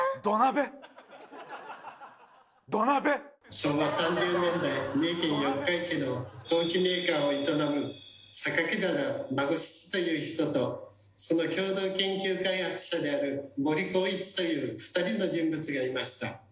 昭和３０年代三重県四日市の陶器メーカーを営む原孫七という人とその共同研究開発者である森晃一という２人の人物がいました。